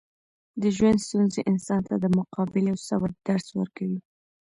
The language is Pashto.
د ژوند ستونزې انسان ته د مقابلې او صبر درس ورکوي.